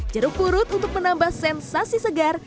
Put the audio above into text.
jeruk purut untuk menambah sensasi segar